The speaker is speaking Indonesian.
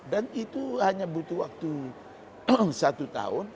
dan itu hanya butuh waktu satu tahun